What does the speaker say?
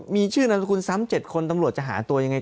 มีชื่อนามสกุลซ้ำ๗คนตำรวจจะหาตัวยังไง